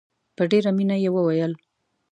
په ډېره مینه یې وویل.